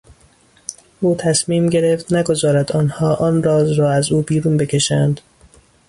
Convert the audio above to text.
او تصمیم گرفت نگذارد آنها آن راز را از او بیرون بکشند.